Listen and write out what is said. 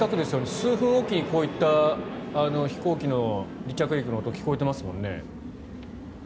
数分おきに、こういった飛行機の離着陸の音が聞こえてますもんね。